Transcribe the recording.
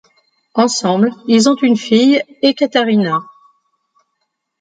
Ensemble, ils ont une fille Ekatérina.